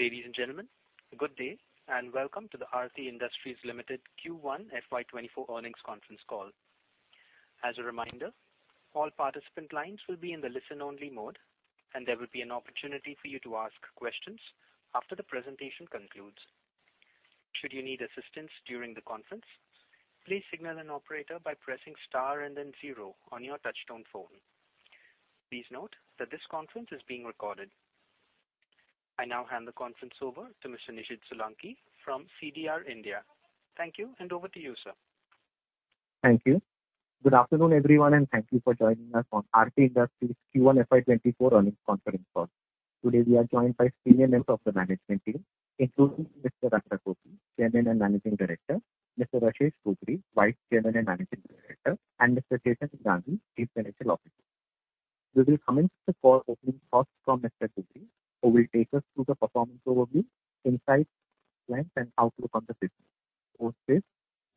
Ladies and gentlemen, good day, welcome to the Aarti Industries Limited Q1 FY 2024 earnings conference call. As a reminder, all participant lines will be in the listen-only mode, there will be an opportunity for you to ask questions after the presentation concludes. Should you need assistance during the conference, please signal an operator by pressing star and then zero on your touchtone phone. Please note that this conference is being recorded. I now hand the conference over to Mr. Nishid Solanki from CDR India. Thank you, over to you, sir. Thank you. Good afternoon, everyone, and thank you for joining us on Aarti Industries Q1 FY 24 earnings conference call. Today, we are joined by senior members of the management team, including Mr. Rajendra Gogri, Chairman and Managing Director; Mr. Rashesh Gogri, Vice Chairman and Managing Director; and Mr. Chetan Gandhi, Chief Financial Officer. We will commence the call opening thoughts from Mr. Rajendra Gogri, who will take us through the performance overview, insights, plans, and outlook on the business. Post this,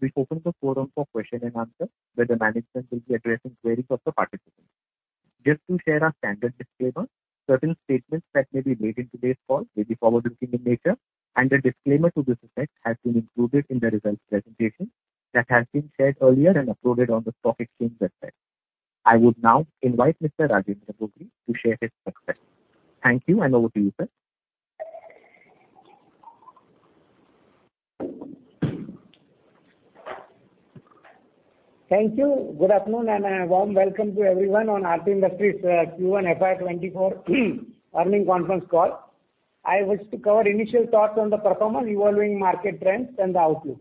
we open the forum for question and answer, where the management will be addressing queries of the participants. Just to share our standard disclaimer, certain statements that may be made in today's call may be forward-looking in nature, and a disclaimer to this effect has been included in the results presentation that has been shared earlier and uploaded on the Stock Exchange website. I would now invite Mr. Rajendra Gogri to share his thoughts. Thank you, over to you, sir. Thank you. Good afternoon, and a warm welcome to everyone on Aarti Industries Q1 FY 2024 earnings conference call. I wish to cover initial thoughts on the performance, evolving market trends and the outlook.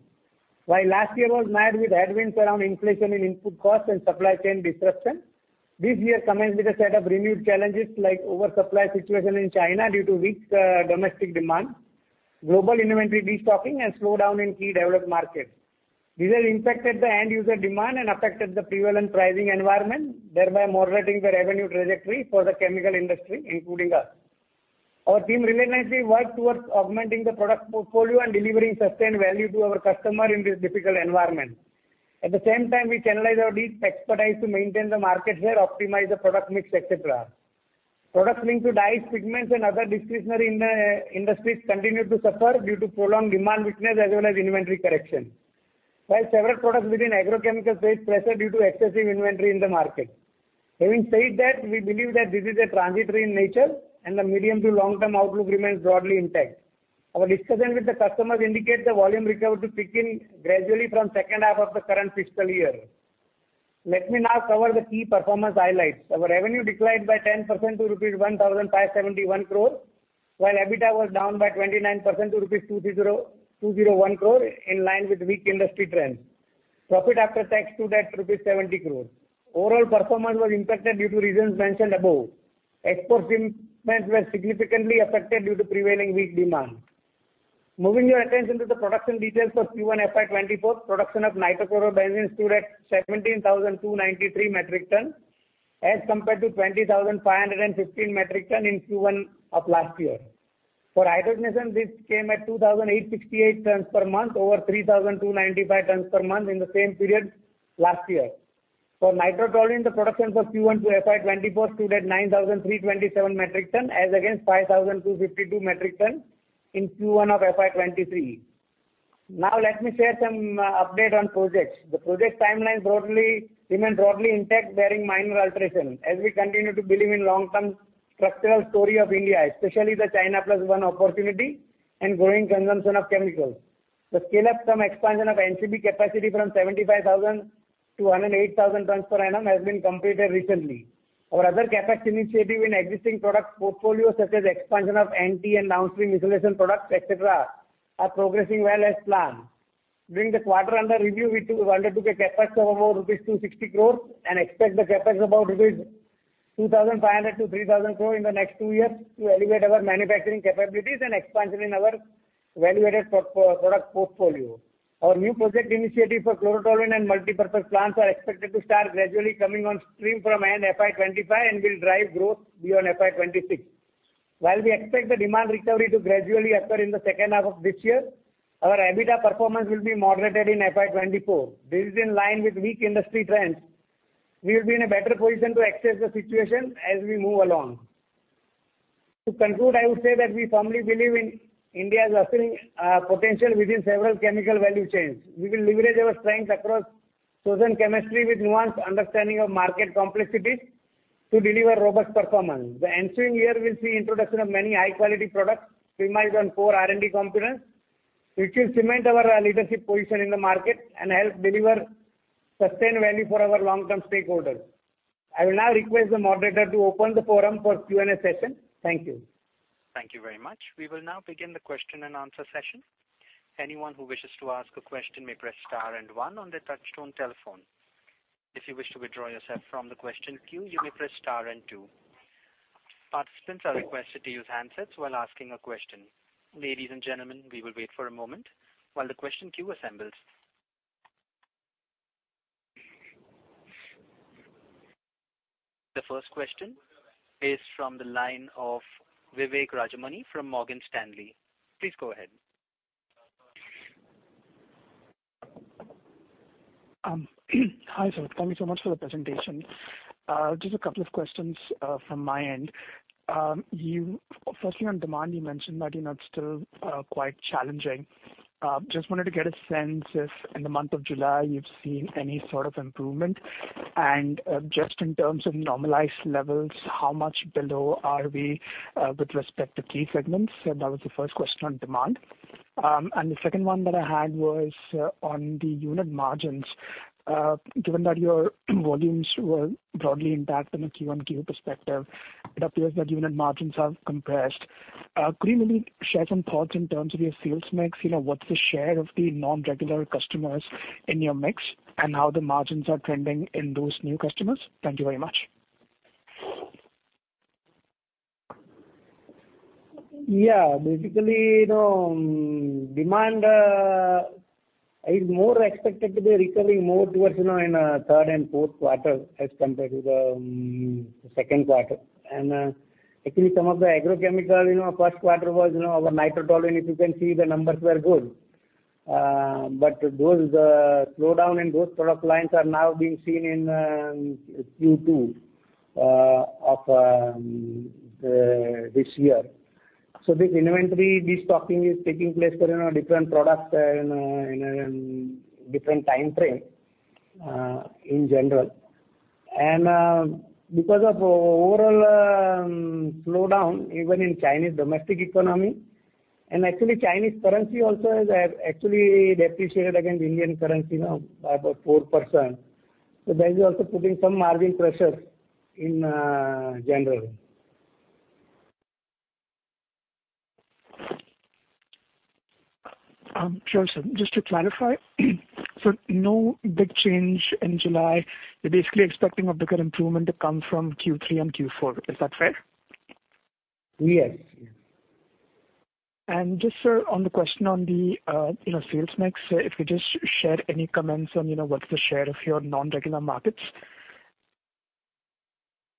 While last year was marred with headwinds around inflation and input costs and supply chain disruption, this year commenced with a set of renewed challenges like oversupply situation in China due to weak domestic demand, global inventory destocking and slowdown in key developed markets. These have impacted the end user demand and affected the prevalent pricing environment, thereby moderating the revenue trajectory for the chemical industry, including us. Our team relentlessly worked towards augmenting the product portfolio and delivering sustained value to our customer in this difficult environment. At the same time, we channelized our deep expertise to maintain the market share, optimize the product mix, et cetera. Products linked to dyes, pigments, and other discretionary industries continued to suffer due to prolonged demand weakness as well as inventory correction. Several products within agrochemicals faced pressure due to excessive inventory in the market. Having said that, we believe that this is a transitory in nature, and the medium to long-term outlook remains broadly intact. Our discussions with the customers indicate the volume recovery to pick in, gradually from second half of the current fiscal year. Let me now cover the key performance highlights. Our revenue declined by 10% to rupees 1,571 crore, while EBITDA was down by 29% to rupees 201 crore, in line with weak industry trends. Profit after tax stood at rupees 70 crore. Overall performance was impacted due to reasons mentioned above. Export shipments were significantly affected due to prevailing weak demand. Moving your attention to the production details for Q1 FY 2024, production of Nitrochlorobenzene stood at 17,293 metric ton, as compared to 20,515 metric ton in Q1 of last year. For hydrogenation, this came at 2,868 tons per month, over 3,295 tons per month in the same period last year. For Nitrotoluene, the production for Q1 to FY 2024 stood at 9,327 metric ton, as against 5,252 metric ton in Q1 of FY 2023. Now, let me share some update on projects. The project timelines broadly, remain broadly intact, barring minor alterations, as we continue to believe in long-term structural story of India, especially the China Plus One opportunity and growing consumption of chemicals. The scale-up from expansion of NCB capacity from 75,000-08,000 tons per annum has been completed recently. Our other CapEx initiative in existing product portfolio, such as expansion of NT and downstream insulation products, et cetera, are progressing well as planned. During the quarter under review, we undertake a CapEx of about rupees 260 crore and expect the CapEx about 2,500 crore-3,000 crore rupees in the next two years to elevate our manufacturing capabilities and expansion in our value-added product portfolio. Our new project initiative for Chlorotoluene and multipurpose plants are expected to start gradually coming on stream from end FY 2025 and will drive growth beyond FY 2026. While we expect the demand recovery to gradually occur in the second half of this year, our EBITDA performance will be moderated in FY 2024. This is in line with weak industry trends. We will be in a better position to assess the situation as we move along. To conclude, I would say that we firmly believe in India's rising potential within several chemical value chains. We will leverage our strengths across chosen chemistry with nuanced understanding of market complexities to deliver robust performance. The ensuing year will see introduction of many high-quality products, streamlined on core R&D competence, which will cement our leadership position in the market and help deliver sustained value for our long-term stakeholders. I will now request the moderator to open the forum for Q&A session. Thank you. Thank you very much. We will now begin the question and answer session. Anyone who wishes to ask a question may press star and one on their touchtone telephone. If you wish to withdraw yourself from the question queue, you may press star and two. Participants are requested to use handsets while asking a question. Ladies and gentlemen, we will wait for a moment while the question queue assembles. The first question is from the line of Vivek Rajamani from Morgan Stanley. Please go ahead. Hi, sir. Thank you so much for the presentation. Just two questions from my end. Firstly, on demand, you mentioned that, you know, it's still quite challenging. Just wanted to get a sense if in the month of July, you've seen any sort of improvement. Just in terms of normalized levels, how much below are we with respect to key segments? So that was the first question on demand. The second one that I had was on the unit margins. Given that your volumes were broadly impacted in a Q1, Q perspective, it appears that unit margins have compressed. Could you maybe share some thoughts in terms of your sales mix? You know, what's the share of the non-regular customers in your mix, and how the margins are trending in those new customers? Thank you very much. Yeah. Basically, you know, demand is more expected to be recovering more towards, you know, in third and fourth quarter as compared to the second quarter. Actually some of the agrochemicals, you know, first quarter was, you know, our Nitrotoluene, if you can see, the numbers were good. Those slowdown in those product lines are now being seen in Q2 of this year. This inventory, this stocking is taking place in our different products and in a different time frame in general. Because of overall slowdown even in Chinese domestic economy, and actually, Chinese currency also has actually depreciated against Indian currency now by about 4%. That is also putting some margin pressure in January. Sure, sir. Just to clarify, no big change in July. You're basically expecting a bigger improvement to come from Q3 and Q4. Is that fair? Yes. Just, sir, on the question on the, you know, sales mix, if you just share any comments on, you know, what's the share of your non-regular markets?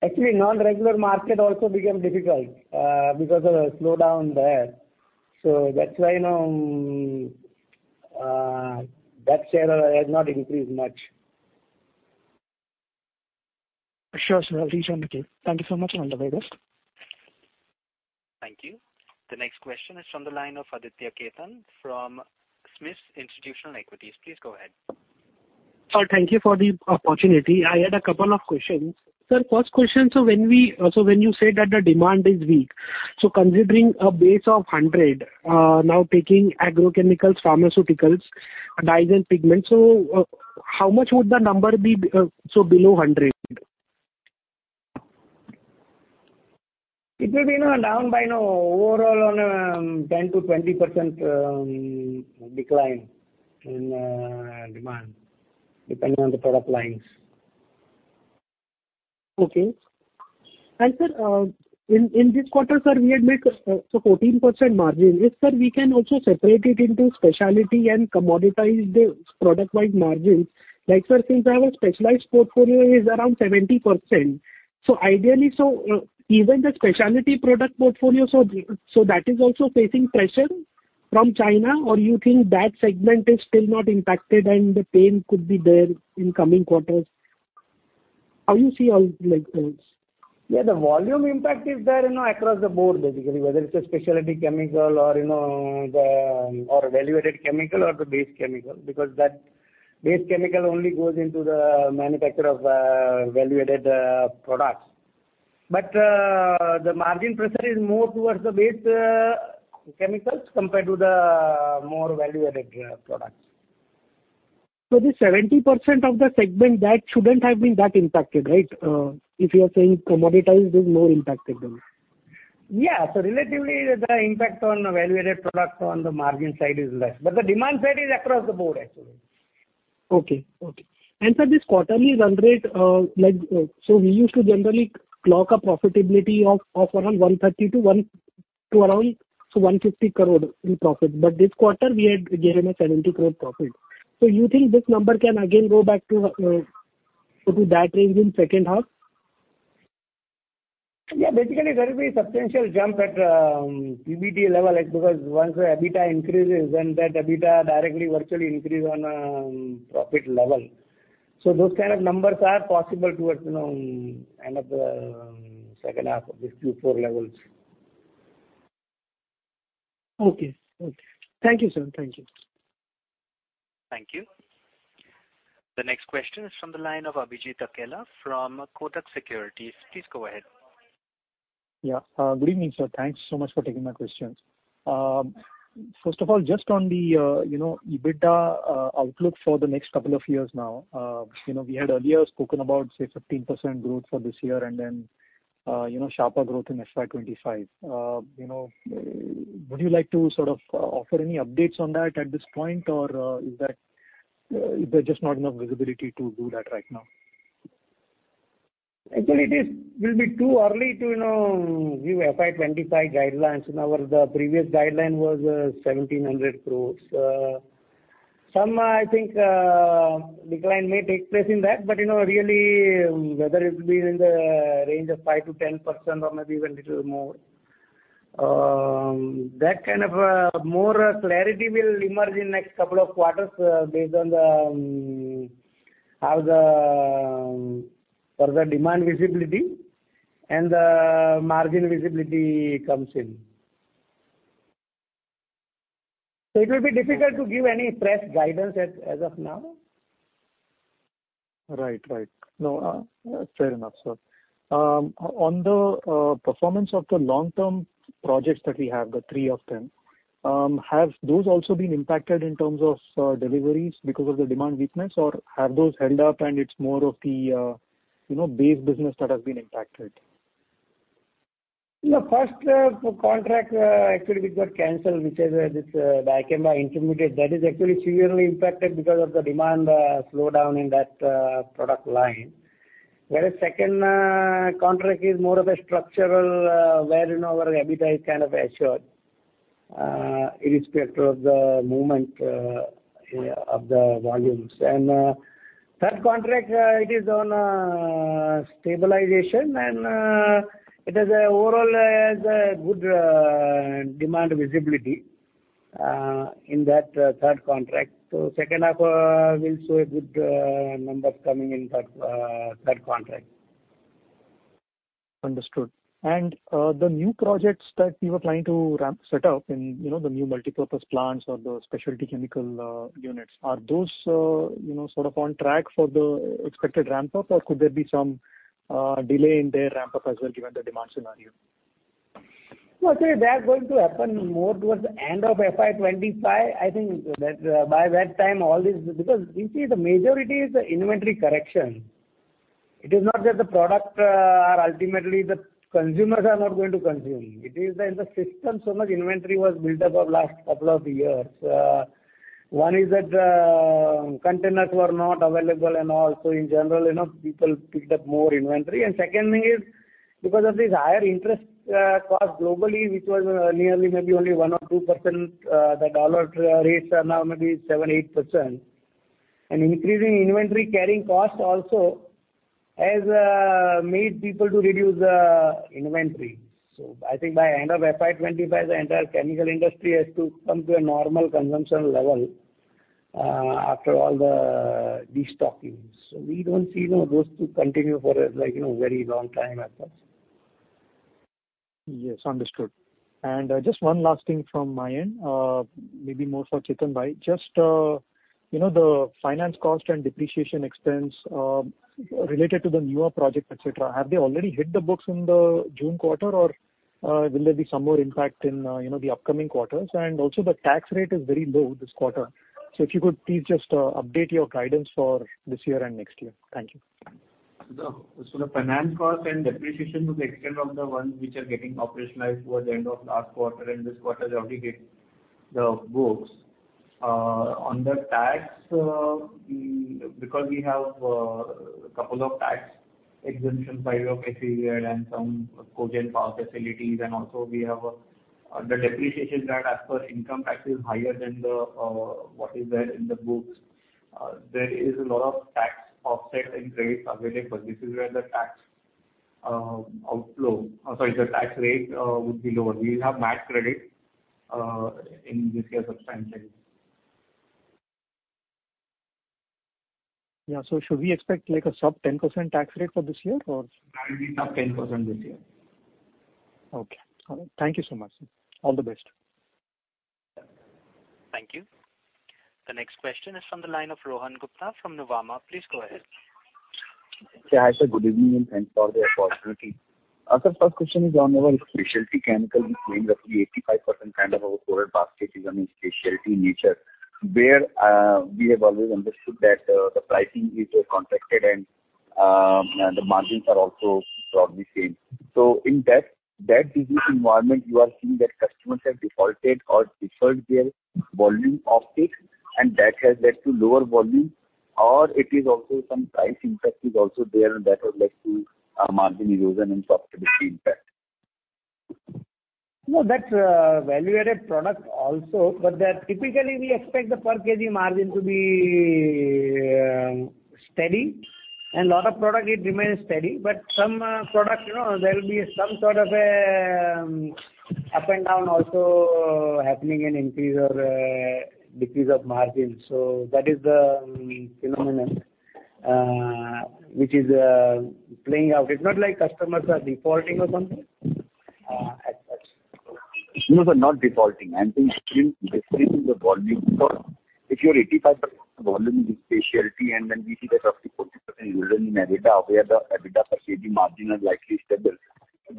Actually, non-regular market also became difficult because of the slowdown there. That's why now that share has not increased much. Sure, sir. I'll reach on the team. Thank you so much for the latest. Thank you. The next question is from the line of Aditya Khetan from SMIFS Institutional Equities. Please go ahead. Sir, thank you for the opportunity. I had a couple of questions. Sir, first question, when you say that the demand is weak, considering a base of 100, now taking agrochemicals, pharmaceuticals, dyes and pigments, how much would the number be below 100? It will be, you know, down by now overall on, 10%-20% decline in demand, depending on the product lines. Okay. Sir, in this quarter, sir, we had made so 14% margin. If, sir, we can also separate it into specialty and commoditized product-wide margins, like sir, since I have a specialized portfolio is around 70%. Ideally, even the specialty product portfolio, that is also facing pressure from China, or you think that segment is still not impacted and the pain could be there in coming quarters? How you see how, like, those? Yeah, the volume impact is there, you know, across the board, basically, whether it's a specialty chemical or, you know, or a value-added chemical or the base chemical, because that base chemical only goes into the manufacture of, value-added, products. The margin pressure is more towards the base, chemicals compared to the more value-added, products. The 70% of the segment, that shouldn't have been that impacted, right? If you are saying commoditized is more impacted than that. Yeah. Relatively, the impact on value-added products on the margin side is less, but the demand side is across the board, actually. Okay. Okay. Sir, this quarterly run rate, we used to generally clock a profitability of around 130 crore-150 crore in profit, but this quarter we had given a 70 crore profit. You think this number can again go back to that range in second half? Yeah, basically, there will be a substantial jump at PBT level, because once the EBITDA increases, then that EBITDA directly, virtually increase on profit level. Those kind of numbers are possible towards, you know, end of the second half of this Q4 levels. Okay. Okay. Thank you, sir. Thank you. Thank you. The next question is from the line of Abhijit Akella from Kotak Securities. Please go ahead. Yeah. good evening, sir. Thanks so much for taking my questions. first of all, just on the, you know, EBITDA, outlook for the next couple of years now, you know, we had earlier spoken about, say, 15% growth for this year and then, you know, sharper growth in FY 2025. you know, would you like to sort of offer any updates on that at this point, or, is there, is there just not enough visibility to do that right now? Actually, it is, will be too early to, you know, give FY 2025 guidelines. The previous guideline was, 1,700 crore. Some, I think, decline may take place in that, but, you know, really, whether it will be in the range of 5%-10% or maybe even little more. That kind of, more clarity will emerge in next couple of quarters, based on the, how the, for the demand visibility and the margin visibility comes in. It will be difficult to give any press guidance as, as of now. Right. Right. No, fair enough, sir. On the performance of the long-term projects that we have, the three of them, have those also been impacted in terms of deliveries because of the demand weakness? Or have those held up and it's more of the, you know, base business that has been impacted? The first contract, actually, which got canceled, which is this Dicamba intermediate, that is actually severely impacted because of the demand slowdown in that product line. Whereas second contract is more of a structural, wherein our EBITDA is kind of assured, irrespective of the movement of the volumes. Third contract, it is on stabilization, and it has a overall good demand visibility in that third contract. Second half will show a good numbers coming in that third contract. Understood. The new projects that you were trying to ramp- set up in, you know, the new multipurpose plants or the specialty chemical units, are those, you know, sort of on track for the expected ramp-up, or could there be some delay in their ramp-up as well, given the demand scenario? No, I say they are going to happen more towards the end of FY 25. I think that by that time, all this. You see, the majority is the inventory correction. It is not that the product, or ultimately the consumers are not going to consume. It is in the system, so much inventory was built up over last couple of years. One is that, containers were not available and all, so in general, you know, people picked up more inventory. Secondly is, because of this higher interest cost globally, which was nearly maybe only 1% or 2%, the dollar rates are now maybe 7%, 8%. Increasing inventory carrying costs also has made people to reduce inventory. I think by end of FY 2025, the entire chemical industry has to come to a normal consumption level, after all the destockings. We don't see, you know, those to continue for a, like, you know, very long time at all. Yes, understood. Just one last thing from my end, maybe more for Chetan Bhai. Just, you know, the finance cost and depreciation expense, related to the newer project, et cetera, have they already hit the books in the June quarter, or will there be some more impact in, you know, the upcoming quarters? Also, the tax rate is very low this quarter. If you could please just update your guidance for this year and next year. Thank you. The finance cost and depreciation to the extent of the ones which are getting operationalized towards the end of last quarter and this quarter already hit the books. On the tax, because we have couple of tax exemption by way of and some cogen power facilities, and also we have the depreciation that as per income tax is higher than the what is there in the books. There is a lot of tax offsets and credits available. This is where the tax outflow, or sorry, the tax rate, would be lower. We will have MAT credit in this year substantially. Yeah. Should we expect, like, a sub 10% tax rate for this year, or? That will be sub 10% this year. Okay. Thank you so much. All the best. Thank you. The next question is from the line of Rohan Gupta from Nuvama. Please go ahead. Hi, sir, good evening, and thanks for the opportunity. sir, first question is on our specialty chemical, which means roughly 85% kind of our total basket is on a specialty nature, where, we have always understood that, the pricing is contracted and, the margins are also probably same. In that, that business environment, you are seeing that customers have defaulted or deferred their volume offtake, and that has led to lower volume, or it is also some price impact is also there, and that has led to, margin erosion and profitability impact? No, that's a value-added product also, but that typically, we expect the per kg margin to be steady, and lot of product, it remains steady. Some product, you know, there will be some sort of a up and down also happening in increase or decrease of margin. That is the phenomenon which is playing out. It's not like customers are defaulting or something? No, sir, not defaulting. I'm saying still, this is the volume. If you are 85% volume in the specialty, and then we see that up to 40% erosion in EBITDA, where the EBITDA per kg margin is likely stable,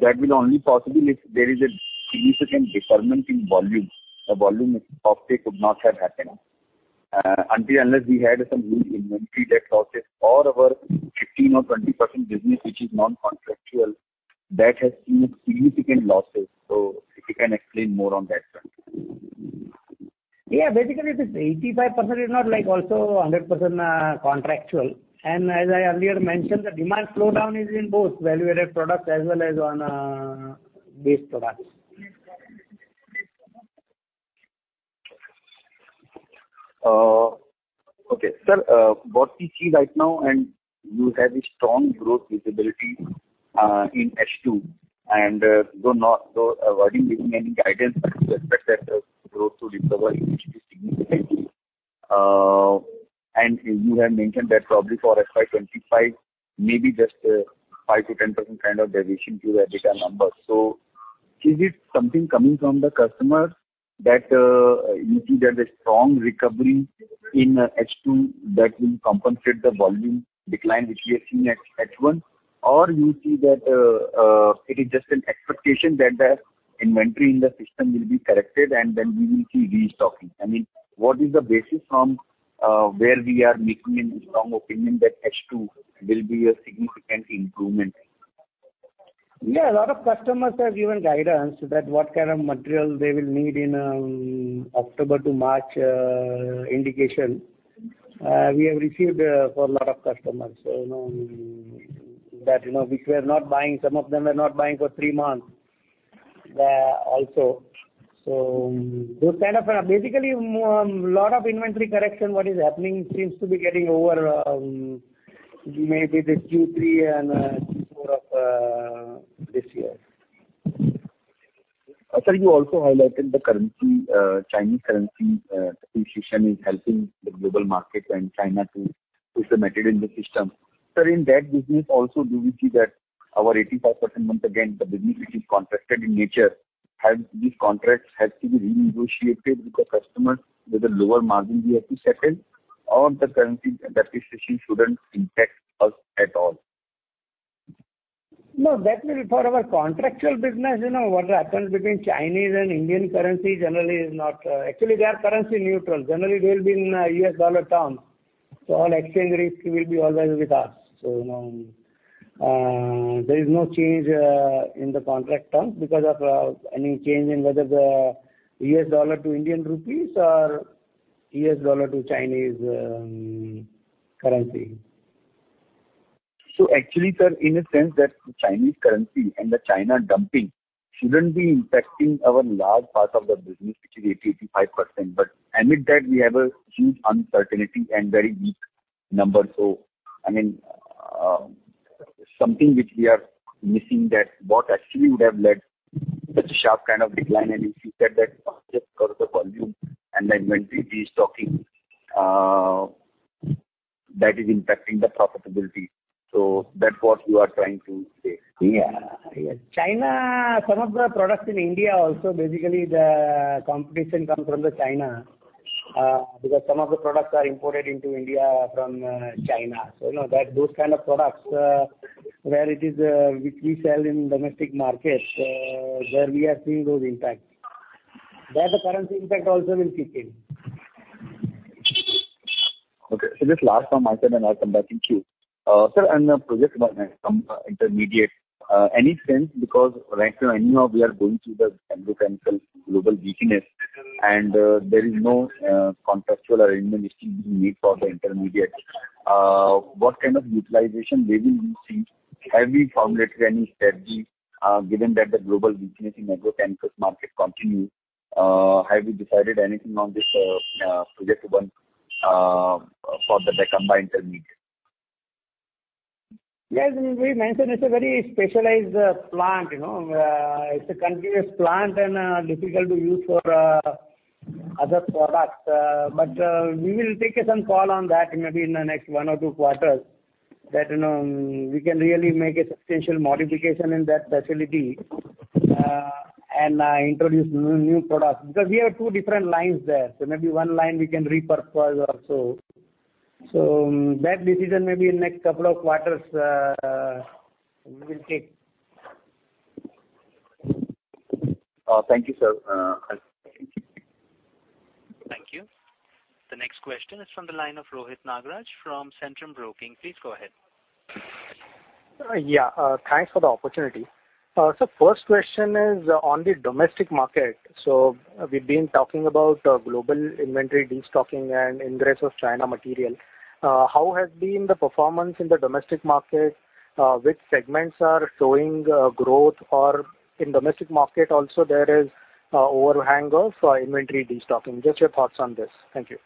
that will only possible if there is a significant deferment in volume. The volume offtake could not have happened until, unless we had some huge inventory that losses or our 15% or 20% business, which is non-contractual, that has seen significant losses. If you can explain more on that front. Yeah, basically, this 85% is not like also 100% contractual. As I earlier mentioned, the demand slowdown is in both value-added products as well as on base products. Okay. Sir, what we see right now, and you have a strong growth visibility in H2, though not avoiding giving any guidance, but you expect that the growth to recover significantly. You have mentioned that probably for FY 2025, maybe just 5%-10% kind of deviation to your EBITDA numbers. Is it something coming from the customer that you see that a strong recovery in H2 that will compensate the volume decline, which we have seen at H1? You see that it is just an expectation that the inventory in the system will be corrected, and then we will see restocking. I mean, what is the basis from where we are making a strong opinion that H2 will be a significant improvement? Yeah, a lot of customers have given guidance that what kind of material they will need in October to March indication. We have received for a lot of customers. You know, that, you know, which were not buying, some of them were not buying for three months also. Those kind of, basically, a lot of inventory correction, what is happening seems to be getting over, maybe the Q3 and Q4 of this year. Sir, you also highlighted the currency, Chinese currency, appreciation is helping the global market and China to push the material in the system. Sir, in that business also, do we see that our 85% month again, the business which is contracted in nature, have these contracts had to be renegotiated because customers with a lower margin, we have to settle, or the currency depreciation shouldn't impact us at all? No, that will for our contractual business, you know, what happens between Chinese and Indian currency generally is not. Actually, they are currency neutral. Generally, they will be in U.S. dollar terms, so all exchange rate will be always with us. So, there is no change in the contract terms because of any change in whether the U.S. dollar to Indian rupees or U.S. dollar to Chinese currency. Actually, sir, in a sense that Chinese currency and the China dumping shouldn't be impacting our large part of the business, which is 80%-85%, but amid that, we have a huge uncertainty and very weak numbers. I mean, something which we are missing that what actually would have led such a sharp kind of decline, and you said that just because of the volume and the inventory destocking, that is impacting the profitability. That's what you are trying to say? Yeah. China, some of the products in India also, basically, the competition come from the China, because some of the products are imported into India from China. You know, that those kind of products, where it is, which we sell in domestic markets, where we are seeing those impacts. There, the currency impact also will kick in. Okay, just last one myself, and I'll come back. Thank you. Sir, on the project one, intermediate, any sense, because right now, anyhow, we are going through the chemical global weakness, and there is no contractual arrangement which we need for the intermediates. What kind of utilization maybe we see? Have we formulated any strategy, given that the global weakness in chemical market continue, have you decided anything on this project one for the combined intermediate? Yes, we mentioned it's a very specialized plant, you know. It's a continuous plant and difficult to use for other products. We will take some call on that maybe in the next one or two quarters, that, you know, we can really make a substantial modification in that facility, and introduce new, new products. We have two different lines there, so maybe one line we can repurpose or so. That decision maybe in next couple of quarters, we will take. Thank you, sir. Thank you. The next question is from the line of Rohit Nagraj from Centrum Broking. Please go ahead. Yeah, thanks for the opportunity. First question is on the domestic market. We've been talking about global inventory destocking and ingress of China material. How has been the performance in the domestic market? Which segments are showing growth? In domestic market also there is overhang of inventory destocking. Just your thoughts on this. Thank you.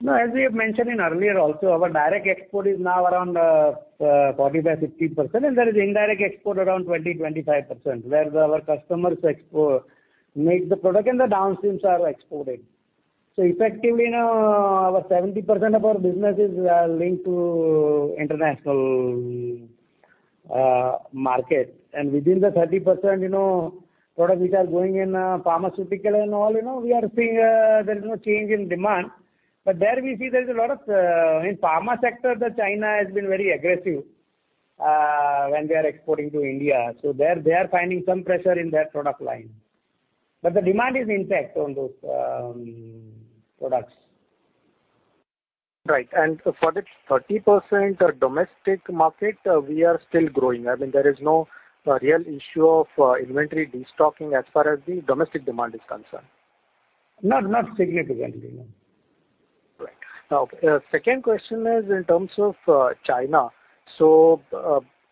Now, as we have mentioned in earlier also, our direct export is now around 45%-50%, and there is indirect export around 20%-25%, where our customers make the product and the downstreams are exported. Effectively, now, our 70% of our business is linked to international market. Within the 30%, you know, products which are going in pharmaceutical and all, you know, we are seeing there is no change in demand. There we see there is a lot of. In pharma sector, the China has been very aggressive when they are exporting to India, so there, they are finding some pressure in their product line. But the demand is intact on those products. Right. For the 30% domestic market, we are still growing. I mean, there is no real issue of inventory destocking as far as the domestic demand is concerned. Not, not significantly, no. ... Second question is in terms of China.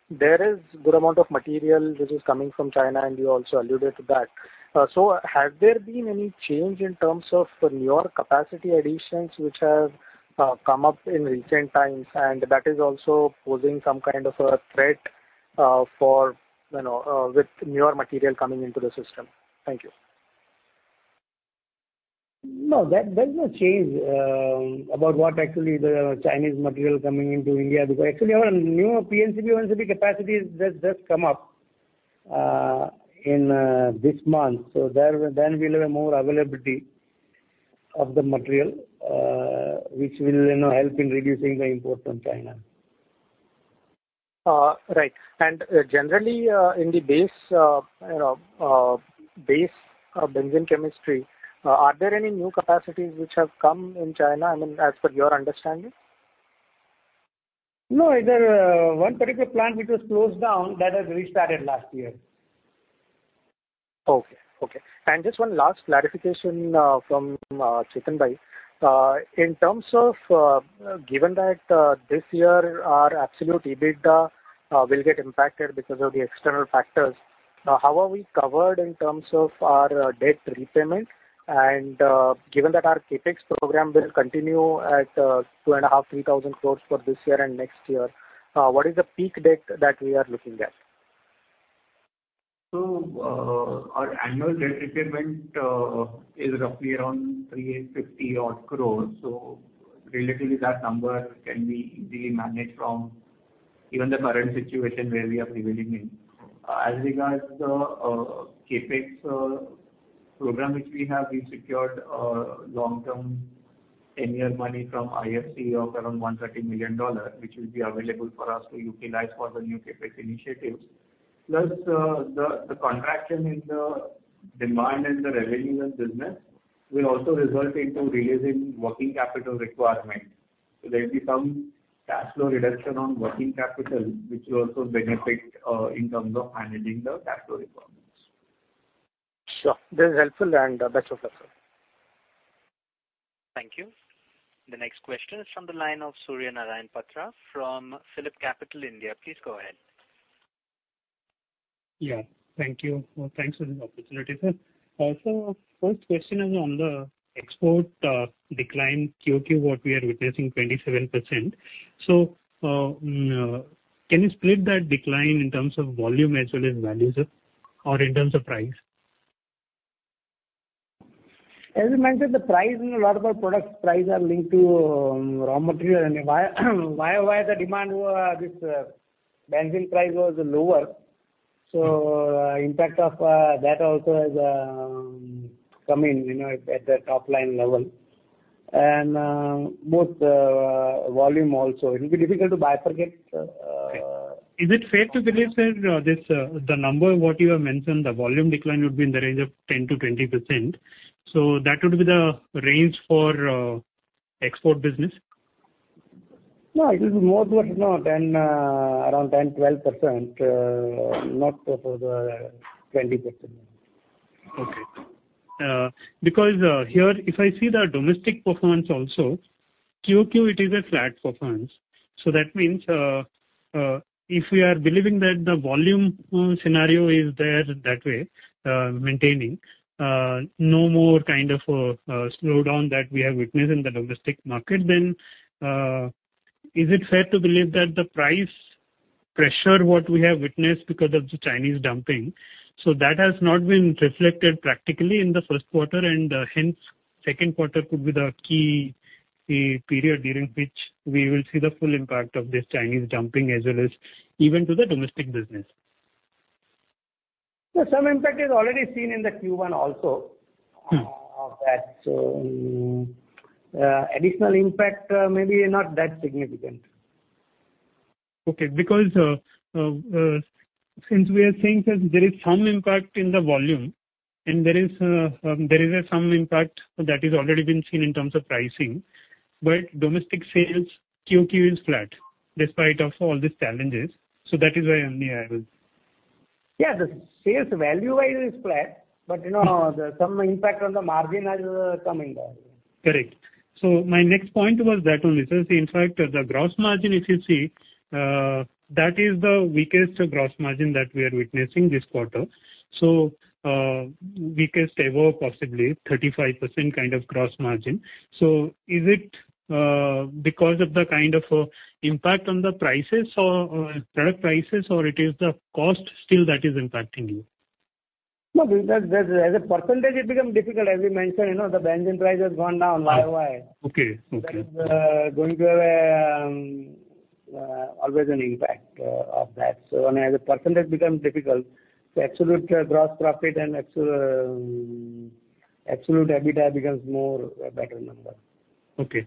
There is good amount of material which is coming from China, and you also alluded to that. Have there been any change in terms of your capacity additions, which have come up in recent times, and that is also posing some kind of a threat for, you know, with newer material coming into the system? Thank you. No, there, there's no change about what actually the Chinese material coming into India, because actually our new PNCB, ONCB capacities just, just come up in this month. Then we'll have a more availability of the material, which will, you know, help in reducing the import from China. Right. Generally, in the base, you know, base of benzene chemistry, are there any new capacities which have come in China, I mean, as per your understanding? No, there, one particular plant which was closed down, that has restarted last year. Okay. Okay. Just one last clarification, from Chetan Bhai. In terms of, given that, this year, our absolute EBITDA, will get impacted because of the external factors, how are we covered in terms of our debt repayment? Given that our CapEx program will continue at 2,500 crore-3,000 crore for this year and next year, what is the peak debt that we are looking at? Our annual debt repayment is roughly around 350 crore. Relatively, that number can be easily managed from even the current situation where we are prevailing in. As regards the CapEx program, which we have, we secured a long-term 10-year money from IFC of around $130 million, which will be available for us to utilize for the new CapEx initiatives. Plus, the contraction in the demand and the revenue and business will also result into reducing working capital requirement. There will be some cash flow reduction on working capital, which will also benefit in terms of managing the cash flow requirements. Sure, this is helpful, and best of luck, sir. Thank you. The next question is from the line of Surya Narayan Patra from PhillipCapital India. Please go ahead. Yeah, thank you. Thanks for the opportunity, sir. First question is on the export decline QOQ, what we are witnessing, 27%. Can you split that decline in terms of volume as well as values, or in terms of price? As I mentioned, the price in a lot of our products, price are linked to raw material, and Y-O-Y, Y-o-Y, the demand was, benzene price was lower. Impact of that also is coming, you know, at the top line level. Both volume also. It will be difficult to bifurcate- Is it fair to believe, sir, this, the number what you have mentioned, the volume decline would be in the range of 10%-20%? That would be the range for export business? No, it is more than, around 10, 12%, not up to the 20%. Because here, if I see the domestic performance also, QOQ, it is a flat performance. That means, if we are believing that the volume scenario is there that way, maintaining no more kind of slowdown that we have witnessed in the domestic market, then is it fair to believe that the price pressure, what we have witnessed because of the Chinese dumping, that has not been reflected practically in the first quarter, and hence, second quarter could be the key period during which we will see the full impact of this Chinese dumping as well as even to the domestic business? Some impact is already seen in the Q1 also of that. Additional impact, maybe not that significant. Okay. Since we are saying that there is some impact in the volume and there is, there is, some impact that is already been seen in terms of pricing, domestic sales QOQ is flat, despite of all these challenges. That is why I'm here. Yeah, the sales value-wise is flat, but you know, some impact on the margin has come in there. Correct. My next point was that only. In fact, the gross margin, if you see, that is the weakest gross margin that we are witnessing this quarter. Weakest ever, possibly 35% kind of gross margin. Is it because of the kind of impact on the prices or, or product prices, or it is the cost still that is impacting you? No, because as, as a percentage, it become difficult. As we mentioned, you know, the benzene price has gone down Y-o-Y. Okay. Okay. going to have a always an impact of that. When as a percentage become difficult, the absolute gross profit and absolute EBITDA becomes more a better number. Okay.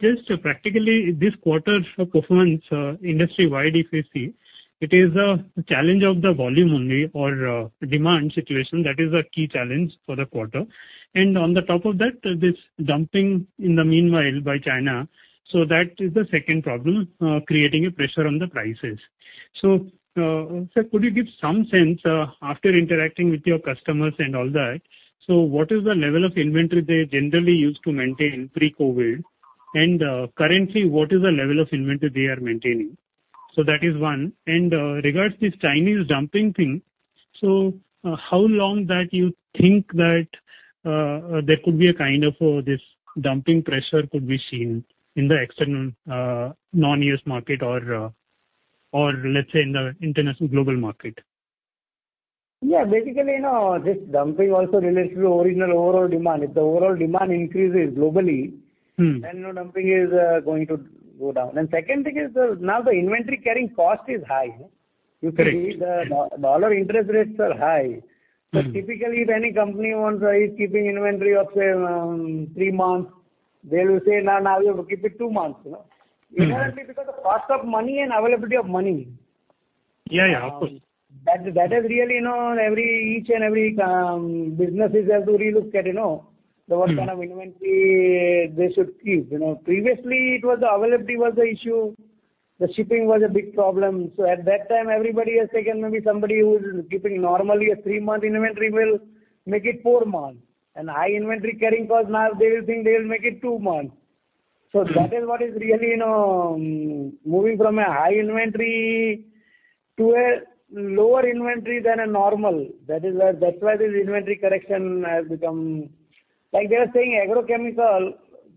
Just practically, this quarter's performance, industry-wide, if you see, it is a challenge of the volume only or demand situation. That is a key challenge for the quarter. On the top of that, this dumping in the meanwhile by China, that is the second problem, creating a pressure on the prices. Sir, could you give some sense after interacting with your customers and all that, what is the level of inventory they generally use to maintain pre-COVID? Currently, what is the level of inventory they are maintaining? That is one. Regards this Chinese dumping thing, how long that you think that there could be a kind of this dumping pressure could be seen in the external, non-US market or or let's say in the international global market? Yeah, basically, you know, this dumping also relates to original overall demand. If the overall demand increases globalthen no dumping is going to go down. Second thing is the, now the inventory carrying cost is high. Right. You can see the dollar interest rates are high Typically, if any company wants, is keeping inventory of, say, three months, they will say, "No, now we have to keep it two months," you know. Exactly because of cost of money and availability of money. Yeah, yeah, of course. That, that is really, you know, every, each and every, businesses have to relook at, you know .the what kind of inventory they should keep, you know. Previously, it was the availability was the issue, the shipping was a big problem. At that time, everybody has taken, maybe somebody who is keeping normally a three-month inventory will make it four months. High inventory carrying cost, now they will think they will make it two months. That is what is really, you know, moving from a high inventory to a lower inventory than a normal. That is why, that's why this inventory correction has become. Like they are saying, agrochemical,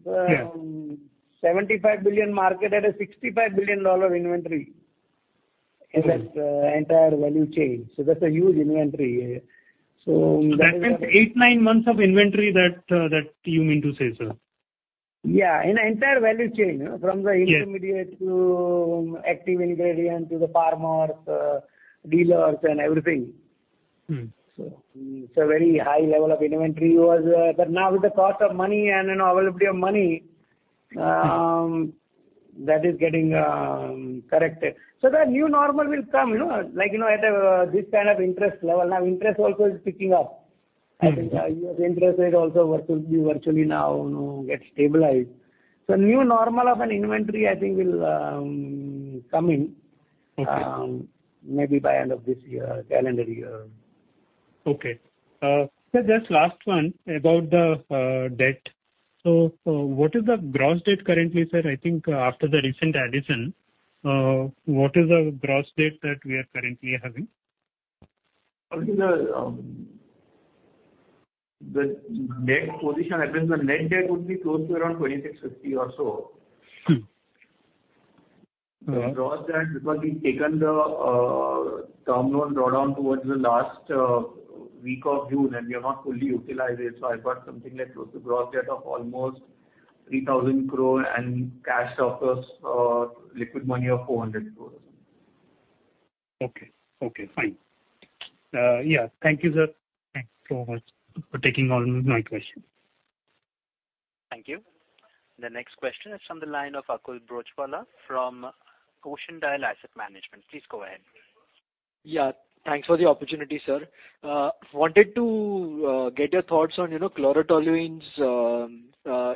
$75 billion market, that is $65 billion inventory in this, entire value chain. That's a huge inventory. That means eight, nine months of inventory that, that you mean to say, sir? Yeah, in entire value chain, you know, from the intermediate to active ingredient, to the farmers, dealers and everything. So very high level of inventory was, but now with the cost of money and, you know, availability of money, that is getting corrected. The new normal will come, you know, like, you know, at this kind of interest level. Now, interest also is picking up. I think, U.S. interest rate also virtually now, you know, get stabilized. New normal of an inventory, I think, will come in maybe by end of this year, calendar year. Okay. Just last one about the debt. What is the gross debt currently, sir? I think after the recent addition, what is the gross debt that we are currently having? I think the, the debt position, I think the net debt would be close to around 2,650 or so. Gross debt, because we've taken the term loan drawdown towards the last week of June, and we have not fully utilized it. I've got something like close to gross debt of almost 3,000 crore and cash surplus, liquid money of 400 crore. Okay. Okay, fine. Yeah, thank you, sir. Thanks so much for taking all my questions. Thank you. The next question is from the line of Akul Broachwala from Ocean Dial Asset Management. Please go ahead. Yeah, thanks for the opportunity, sir. Wanted to get your thoughts on, you know, Chlorotoluene's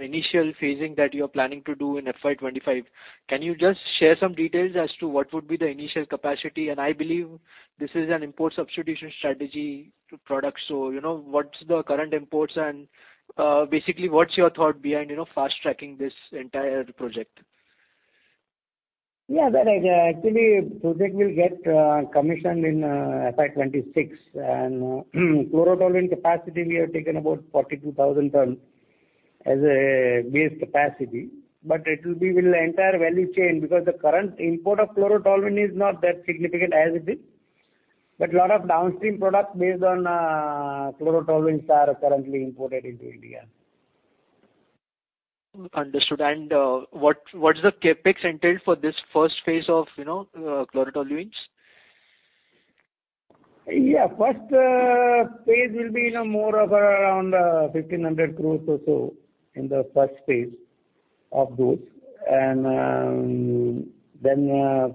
initial phasing that you're planning to do in FY 2025. Can you just share some details as to what would be the initial capacity? I believe this is an import substitution strategy to product. You know, what's the current imports, and basically, what's your thought behind, you know, fast-tracking this entire project? Yeah, that is, actually, project will get commissioned in FY 26. Chlorotoluene capacity, we have taken about 42,000 tons as a base capacity. It will be with the entire value chain, because the current import of Chlorotoluene is not that significant as it is. Lot of downstream products based on Chlorotoluene are currently imported into India. Understood. What's the CapEx entailed for this first phase of, you know, Chlorotoluene? Yeah, first phase will be, you know, more of around 1,500 crore or so in the first phase of those. Then,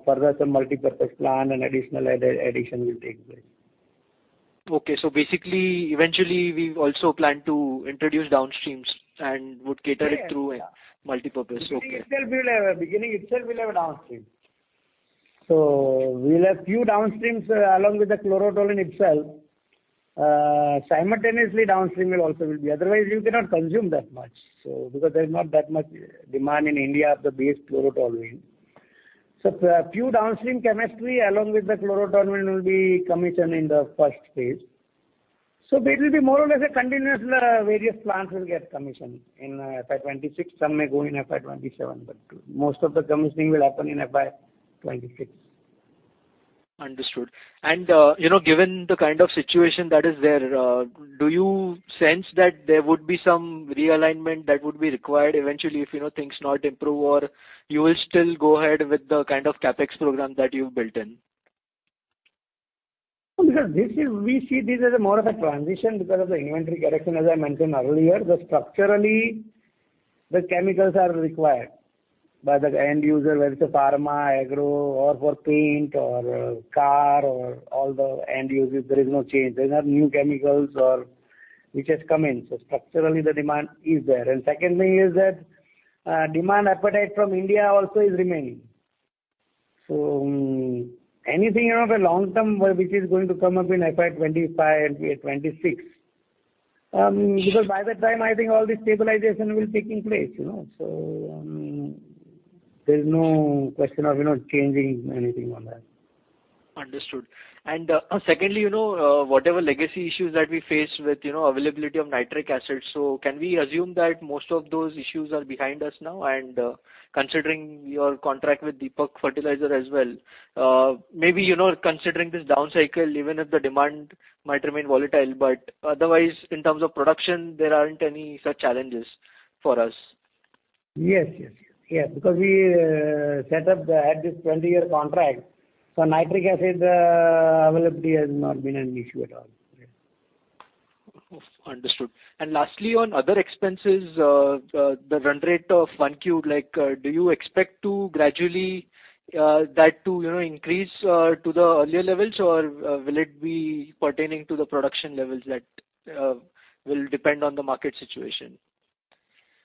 further, some multipurpose plan and additional addition will take place. Okay. Basically, eventually, we've also planned to introduce downstreams and would cater it through. Yeah ...multipurpose. Okay. Beginning itself, we'll have a downstream. We'll have few downstreams along with the Chlorotoluene itself. Simultaneously, downstream will also will be, otherwise you cannot consume that much because there's not that much demand in India of the base Chlorotoluene. Few downstream chemistry, along with the Chlorotoluene, will be commissioned in the first phase. Basically, more or less a continuous, various plants will get commissioned in FY 26. Some may go in FY 27, but most of the commissioning will happen in FY 26. Understood. You know, given the kind of situation that is there, do you sense that there would be some realignment that would be required eventually, if, you know, things not improve, or you will still go ahead with the kind of CapEx program that you've built in? This is, we see this as a more of a transition because of the inventory correction, as I mentioned earlier. Structurally, the chemicals are required by the end user, whether it's a pharma, agro, or for paint, or car, or all the end users, there is no change. There is not new chemicals which has come in. Structurally, the demand is there. Secondly is that demand appetite from India also is remaining. Anything of a long term which is going to come up in FY 2025 and 2026, because by that time, I think all the stabilization will be taking place, you know. There's no question of, you know, changing anything on that. Understood. Secondly, you know, whatever legacy issues that we face with, you know, availability of nitric acid, can we assume that most of those issues are behind us now? Considering your contract with Deepak Fertilisers as well, maybe, you know, considering this down cycle, even if the demand might remain volatile, otherwise, in terms of production, there aren't any such challenges for us. Yes, yes, yes. We set up, had this 20-year contract, so nitric acid availability has not been an issue at all. Understood. Lastly, on other expenses, the, the run rate of 1Q, like, do you expect to gradually, that to, you know, increase, to the earlier levels? Or will it be pertaining to the production levels that, will depend on the market situation?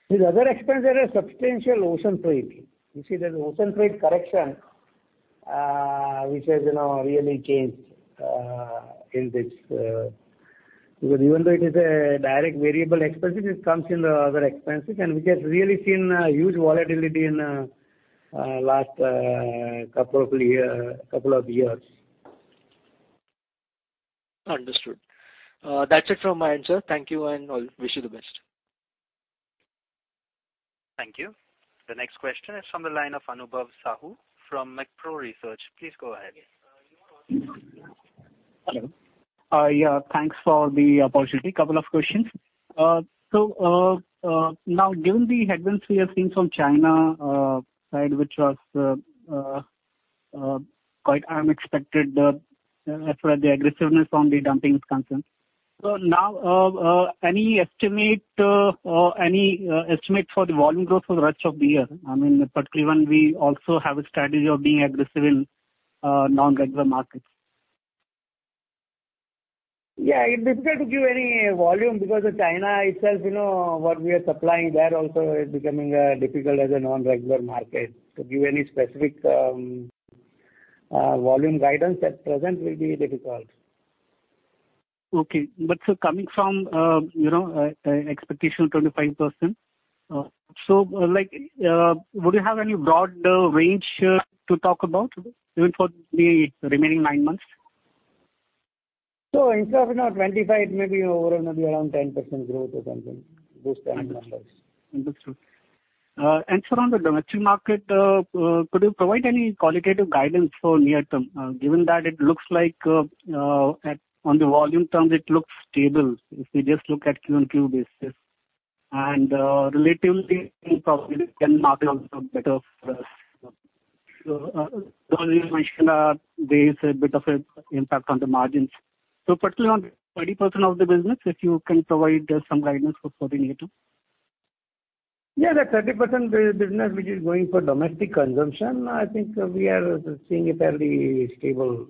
With other expenses, there is substantial ocean freight. You see, there's ocean freight correction, which has, you know, really changed in this. Because even though it is a direct variable expense, it comes in the other expenses, and we have really seen a huge volatility in last couple of year, couple of years. Understood. That's it from my end, sir. Thank you, and I'll wish you the best. Thank you. The next question is from the line of Anubhav Sahu from Moneycontrol Research. Please go ahead. Hello. Yeah, thanks for the opportunity. Couple of questions. Now, given the headwinds we have seen from China side, which was quite unexpected, as far as the aggressiveness on the dumping is concerned. Now, any estimate or any estimate for the volume growth for the rest of the year? I mean, particularly when we also have a strategy of being aggressive in non-regular markets. Yeah, it's difficult to give any volume because of China itself, you know, what we are supplying there also is becoming difficult as a non-regular market. To give any specific volume guidance at present will be difficult. Okay. Coming from, you know, expectation of 25%, so, like, would you have any broad range to talk about, even for the remaining nine months? Instead of, you know, 25, it may be overall maybe around 10% growth or something, those kind of numbers. Understood. On the domestic market, could you provide any qualitative guidance for near term? Given that it looks like, on the volume terms, it looks stable, if you just look at Q on Q basis. Relatively, probably can margin also better for us. You mentioned, there is a bit of an impact on the margins. Particularly on 30% of the business, if you can provide some guidance for, for the near term. Yeah, that 30% business which is going for domestic consumption, I think we are seeing a fairly stable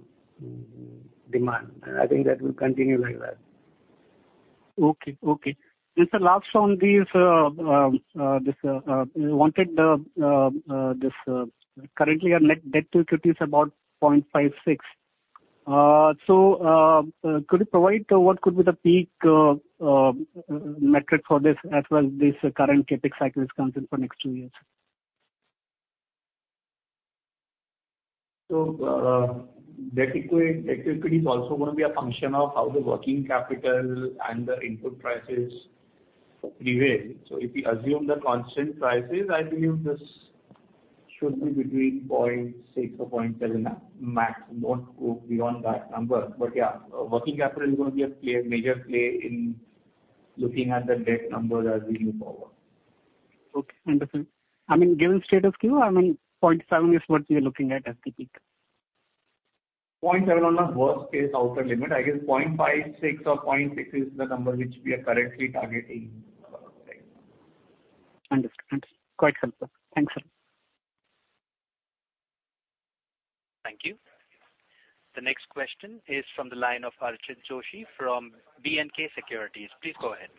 demand. I think that will continue like that. Okay, okay. Sir, last on these, this, we wanted, this, currently our net debt to equity is about 0.56. Could you provide what could be the peak metric for this as well, this current CapEx cycle is concerned for next two years? Debt equity, debt equity is also going to be a function of how the working capital and the input prices prevail. If we assume the constant prices, I believe this should be between 0.6 or 0.7, max. Don't go beyond that number. Yeah, working capital is going to be a clear major play in looking at the debt number as we move forward. Okay, understood. I mean, given status quo, I mean, 0.7 is what you're looking at as the peak? 0.7 on the worst case upper limit. I guess 0.56 or 0.6 is the number which we are currently targeting. Understood. Understood. Quite simple. Thanks, sir. Thank you. The next question is from the line of Archit Joshi from B&K Securities. Please go ahead.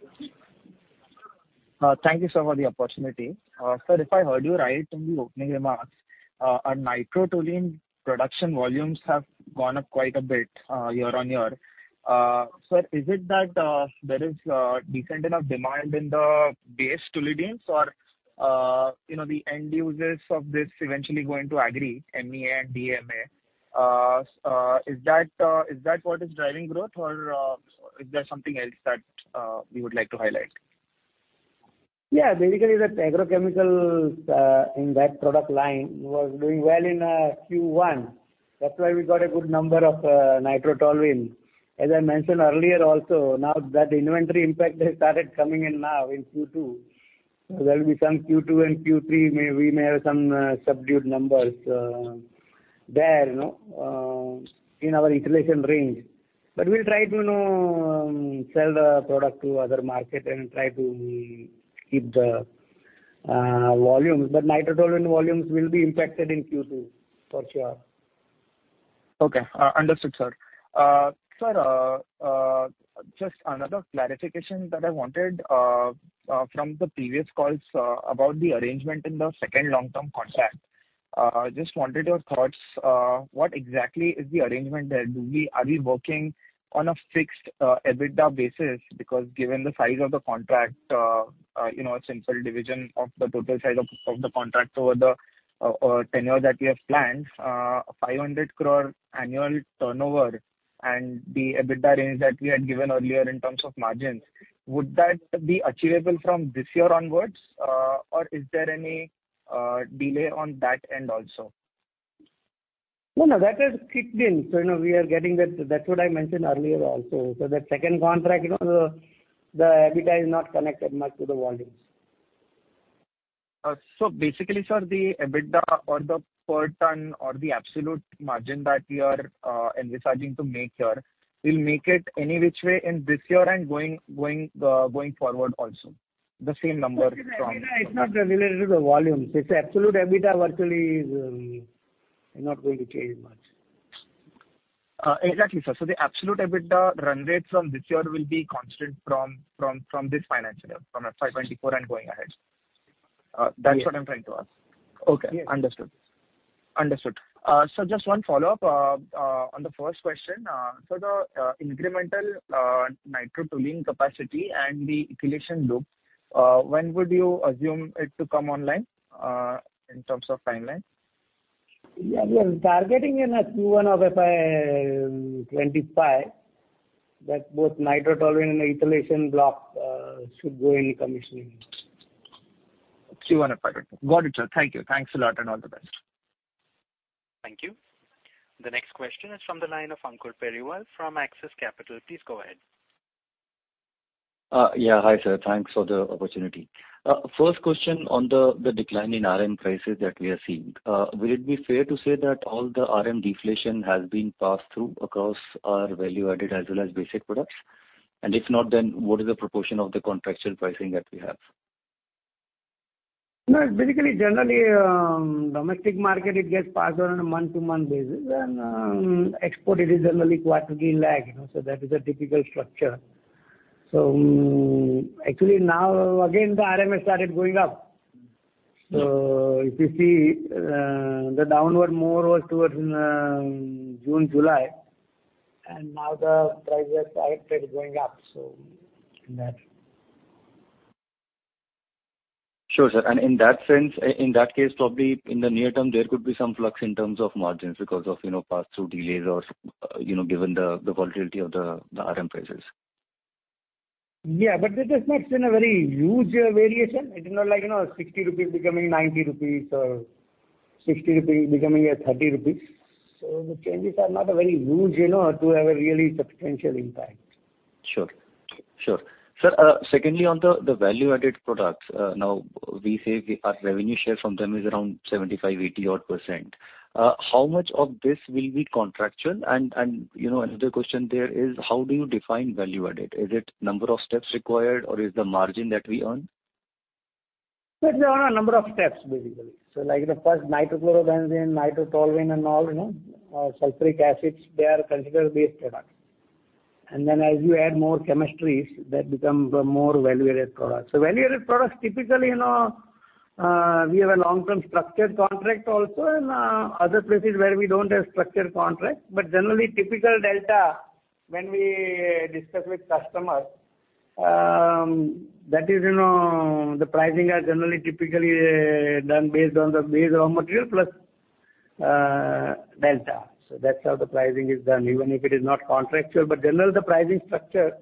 Thank you, sir, for the opportunity. Sir, if I heard you right in the opening remarks, our Nitrotoluene production volumes have gone up quite a bit, year-over-year. Sir, is it that there is decent enough demand in the base toluene or, you know, the end users of this eventually going to agree, MEA and DMA? Is that, is that what is driving growth or, is there something else that you would like to highlight? Yeah, basically, the agrochemicals in that product line was doing well in Q1. That's why we got a good number of Nitrotoluene. As I mentioned earlier also, now that inventory, in fact, they started coming in now in Q2. There will be some Q2 and Q3, we may have some subdued numbers there, you know, in our utilization range. We'll try to, you know, sell the product to other market and try to keep the volumes. Nitrotoluene volumes will be impacted in Q2, for sure. Okay, understood, sir. Sir, just another clarification that I wanted from the previous calls about the arrangement in the second long-term contract. Just wanted your thoughts. What exactly is the arrangement there? Are we working on a fixed EBITDA basis? Because given the size of the contract, you know, central division of the total size of the contract over the tenure that we have planned, 500 crore annual turnover and the EBITDA range that we had given earlier in terms of margins, would that be achievable from this year onwards, or is there any delay on that end also? No, no, that has kicked in. You know, we are getting that. That's what I mentioned earlier also. The second contract, you know, the EBITDA is not connected much to the volumes. Basically, sir, the EBITDA or the per ton or the absolute margin that we are envisaging to make here, we'll make it any which way in this year and going forward also, the same number from. It's not related to the volumes. It's absolute EBITDA virtually, is not going to change much. Exactly, sir. The absolute EBITDA run rate from this year will be constant from this financial year, from FY 24 and going ahead? Yes. That's what I'm trying to ask. Okay. Yes. Understood. Understood. Just one follow-up on the first question. The incremental Nitrotoluene capacity and the ethylation loop, when would you assume it to come online in terms of timeline? We are targeting in Q1 of FY 25, that both Nitrotoluene and ethylation block, should go in commissioning. Q1 of 25. Got it, sir. Thank you. Thanks a lot, and all the best. Thank you. The next question is from the line of Ankur Periwal from Axis Capital. Please go ahead. Yeah. Hi, sir. Thanks for the opportunity. first question on the decline in RM prices that we are seeing. Will it be fair to say that all the RM deflation has been passed through across our value-added as well as basic products? If not, then what is the proportion of the contractual pricing that we have? No, it's basically, generally, domestic market, it gets passed on a month-to-month basis. Export, it is generally quarterly lag, you know. That is a typical structure. Actually, now, again, the RM has started going up. If you see, the downward move was towards June, July, and now the price were corrected going up, in that. Sure, sir. In that sense, in that case, probably in the near term, there could be some flux in terms of margins because of, you know, pass-through delays or, you know, given the, the volatility of the, the RM prices. It has not been a very huge variation. It is not like, you know, 60 rupees becoming 90 rupees or 60 rupees becoming 30 rupees. The changes are not very huge, you know, to have a really substantial impact. Sure, sure. Sir, secondly, on the, the value-added products, now we say our revenue share from them is around 75%-80% odd. How much of this will be contractual? You know, another question there is: how do you define value-added? Is it number of steps required, or is the margin that we earn? It's on a number of steps, basically. Like the first nitrochlorobenzene, Nitrotoluene, and all, you know, sulfuric acids, they are considered base products. Then as you add more chemistries, that become the more value-added products. Value-added products, typically, you know, we have a long-term structured contract also, and other places where we don't have structured contracts. Generally, typical delta, when we discuss with customers, that is, you know, the pricing are generally typically done based on the base raw material, plus delta. That's how the pricing is done, even if it is not contractual. Generally, the pricing structure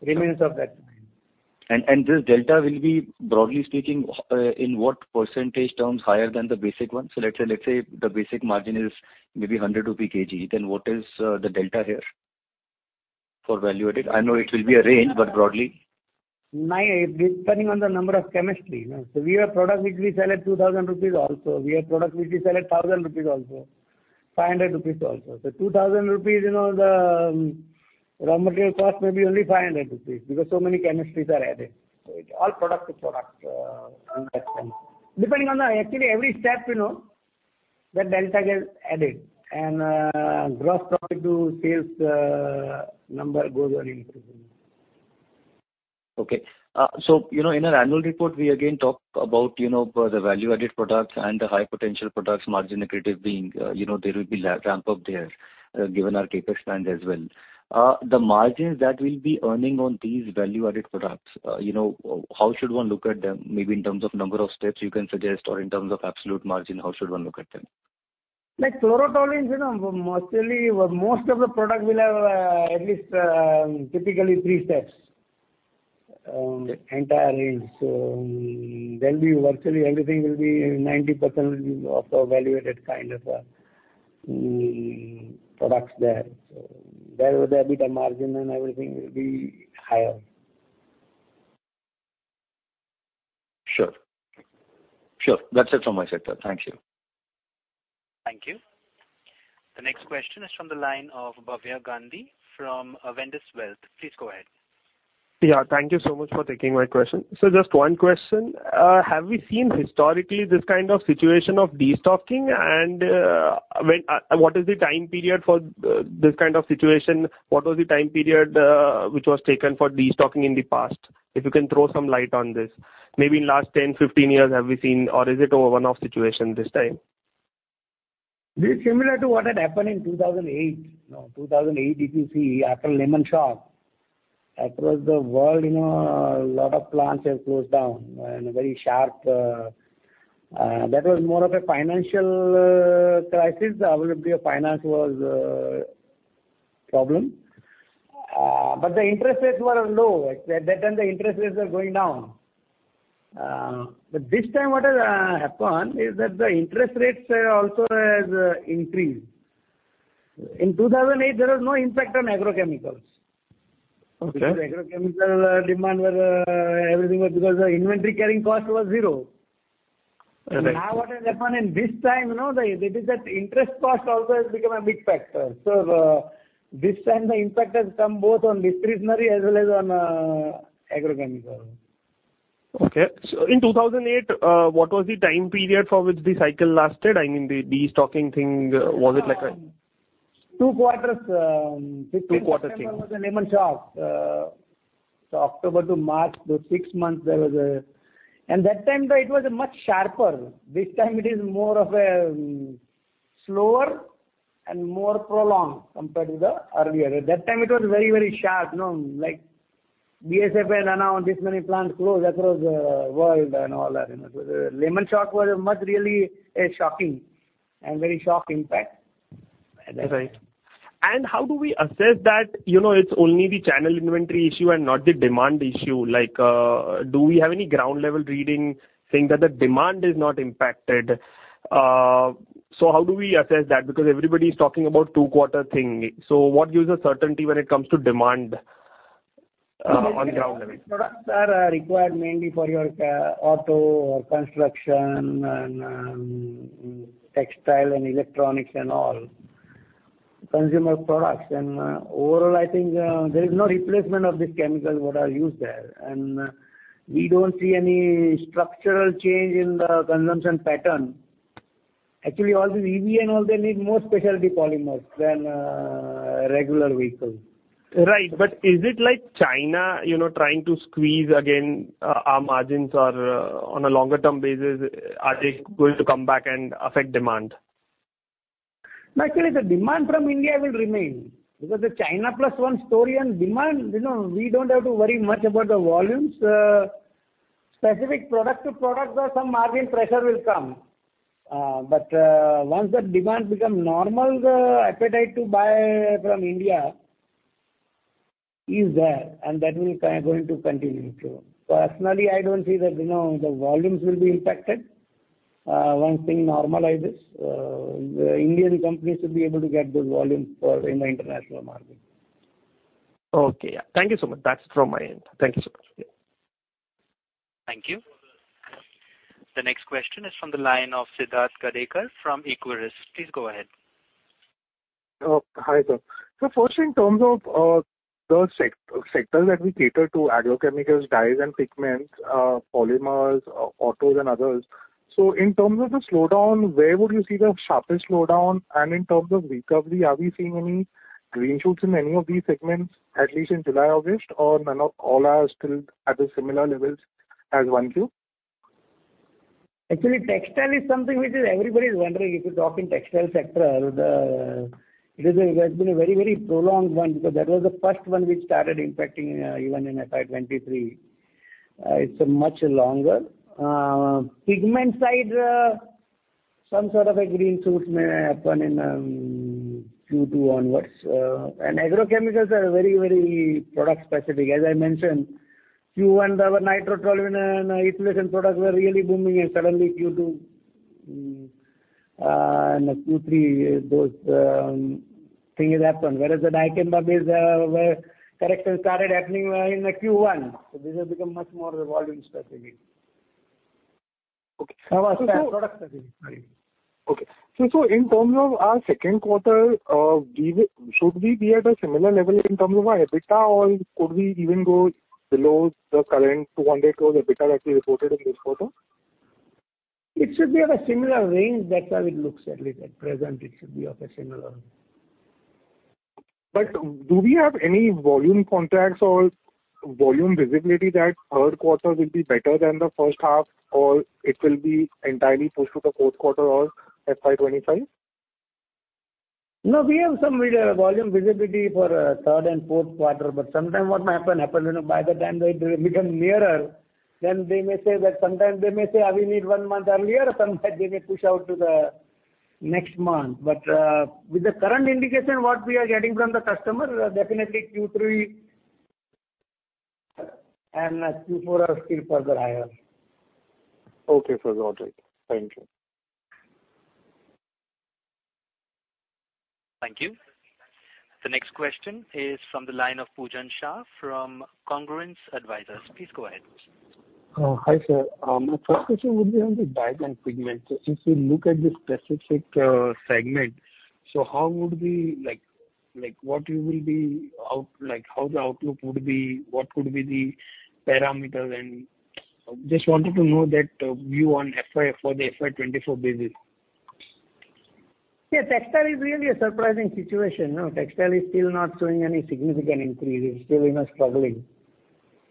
remains of that. This delta will be, broadly speaking, in what percentage terms higher than the basic one? Let's say, let's say the basic margin is maybe 100 rupee kg, then what is the delta here for value-added? I know it will be a range, but broadly. My, depending on the number of chemistry, you know. We have products which we sell at 2,000 rupees also. We have products which we sell at 1,000 rupees also, 500 rupees also. The 2,000 rupees, you know, the raw material cost may be only 500 rupees, because so many chemistries are added. It all product to product, depending on the... Actually, every step, you know, the delta gets added, and, gross profit to sales, number goes on increasing. Okay. You know, in our annual report, we again talk about, you know, the value-added products and the high-potential products margin accretive being, you know, there will be ramp up there, given our CapEx plan as well. The margins that we'll be earning on these value-added products, you know, how should one look at them? Maybe in terms of number of steps you can suggest or in terms of absolute margin, how should one look at them? Like Chlorotoluene, you know, mostly, most of the products will have, at least, typically three steps, entire range. Then we virtually everything will be 90% will be also value-added kind of products there. There the EBITDA margin and everything will be higher. Sure. Sure. That's it from my side, sir. Thank you. Thank you. The next question is from the line of Bhavya Gandhi from Avendus Wealth. Please go ahead. Yeah, thank you so much for taking my question. Just one question. Have we seen historically this kind of situation of destocking? When, what is the time period for this kind of situation? What was the time period which was taken for destocking in the past? If you can throw some light on this. Maybe in last 10, 15 years, have we seen, or is it a one-off situation this time? This is similar to what had happened in 2008. You know, 2008, if you see, after Lehman Shock, across the world, you know, a lot of plants have closed down and very sharp, that was more of a financial crisis. The availability of finance was problem, but the interest rates were low. At that time, the interest rates were going down. This time, what has happened is that the interest rates are also has increased. In 2008, there was no impact on agrochemicals. Okay. Because agrochemical demand were, everything was because the inventory carrying cost was zero. Right. Now, what has happened in this time, you know, that it is that interest cost also has become a big factor. This time the impact has come both on discretionary as well as on agrochemicals. Okay. In 2008, what was the time period for which the cycle lasted? I mean, the destocking thing, was it like a... Two quarters. Two quarters. September was the Lehman Shock. October to March, those six months, there was a... That time, though, it was much sharper. This time it is more of a slower and more prolonged compared to the earlier. That time, it was very, very sharp, you know, like BASF announced this many plants closed across the world and all that, you know. The Lehman Shock was a much really shocking and very shocked, in fact. That's it. How do we assess that, you know, it's only the channel inventory issue and not the demand issue? Like, do we have any ground-level reading saying that the demand is not impacted? How do we assess that? Because everybody's talking about two quarter thing. What gives a certainty when it comes to demand on ground level? Products are required mainly for your auto or construction and textile and electronics and all consumer products. Overall, I think there is no replacement of these chemicals what are used there. We don't see any structural change in the consumption pattern. Actually, all the EV and all, they need more specialty polymers than regular vehicles. Right. Is it like China, you know, trying to squeeze again, our margins? On a longer term basis, are they going to come back and affect demand? Actually, the demand from India will remain because the China Plus One story and demand, you know, we don't have to worry much about the volumes. Specific product to product, though, some margin pressure will come. Once the demands become normal, the appetite to buy from India is there, and that is kind of going to continue. Personally, I don't see that, you know, the volumes will be impacted, once thing normalizes. The Indian companies will be able to get good volumes in the international market. Okay. Yeah. Thank you so much. That's from my end. Thank you so much. Thank you. The next question is from the line of Siddharth Gadekar from Equirus. Please go ahead. Hi, sir. First, in terms of the sectors that we cater to, agrochemicals, dyes and pigments, polymers, autos and others. In terms of the slowdown, where would you see the sharpest slowdown? In terms of recovery, are we seeing any green shoots in any of these segments, at least in July, August, or none of all are still at the similar levels as one, two? Actually, textile is something which is everybody is wondering. If you talk in textile sector, it has been a very, very prolonged one, because that was the first one which started impacting even in FY 2023. It's a much longer. Pigment side, some sort of a green shoots may happen in Q2 onwards. Agrochemicals are very, very product specific. As I mentioned, Q1, our Nitrotoluene and ethylation products were really booming, and suddenly Q2 and Q3, those things happened. Whereas the Dicamba is where correction started happening in the Q1. This has become much more volume specific. Okay. product specific. Sorry. Okay. In terms of our second quarter, give it, should we be at a similar level in terms of our EBITDA, or could we even go below the current 200 crore EBITDA that we reported in this quarter? It should be at a similar range. That's how it looks at it. At present, it should be of a similar. Do we have any volume contracts or volume visibility that third quarter will be better than the first half, or it will be entirely pushed to the fourth quarter or FY 2025? We have some volume visibility for third and fourth quarter, but sometime what might happen, happen, you know, by the time they become nearer, then they may say that sometimes they may say, "We need one month earlier," or sometime they may push out to the next month. With the current indication, what we are getting from the customer, definitely Q3 and Q4 are still further higher. Okay, sir. Got it. Thank you. Thank you. The next question is from the line of Pujan Shah from Congruence Advisors. Please go ahead. Hi, sir. My first question would be on the dye and pigment. If you look at the specific segment, so how would we, like, like, what you will be out-- like, how the outlook would be? What would be the parameters? Just wanted to know that view on FY for the FY 2024 basis. Yeah, textile is really a surprising situation, no? Textile is still not showing any significant increase. It's still, you know, struggling.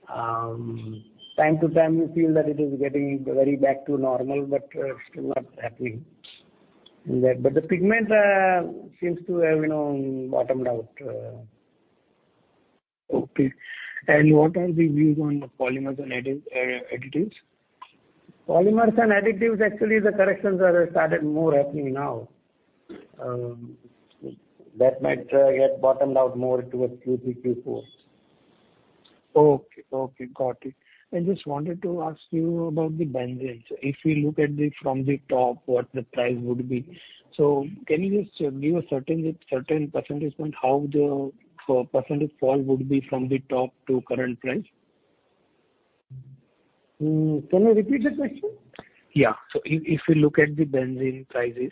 Time to time, we feel that it is getting very back to normal, but still not happening. The pigments seems to have, you know, bottomed out. Okay. What are the views on the polymers and additives? Polymers and additives, actually, the corrections are started more happening now. That might get bottomed out more towards Q3, Q4. Okay, okay. Got it. I just wanted to ask you about the benzene. If you look at the, from the top, what the price would be. Can you just give a certain, certain percentage point, how the, % fall would be from the top to current price? Can you repeat the question? Yeah. If, if you look at the benzene prices,